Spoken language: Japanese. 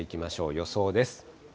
予想です。